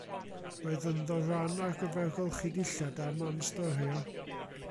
Roedd ynddo ran ar gyfer golchi dillad a man storio.